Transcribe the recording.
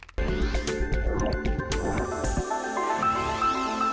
โปรดติดตามตอนต่อไป